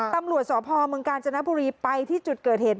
ตำรวจสพเมืองกาญจนบุรีไปที่จุดเกิดเหตุ